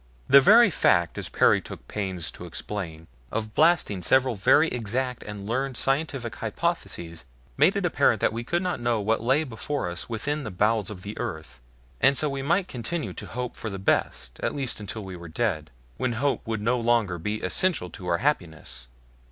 The very fact, as Perry took pains to explain, of the blasting of several very exact and learned scientific hypotheses made it apparent that we could not know what lay before us within the bowels of the earth, and so we might continue to hope for the best, at least until we were dead when hope would no longer be essential to our happiness.